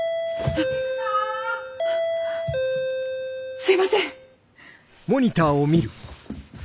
すいません！